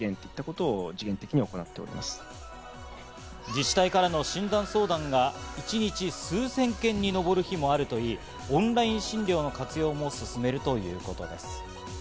自治体からの診断相談が一日数千件にのぼる日もあるといい、オンライン診療の活用も勧めるということです。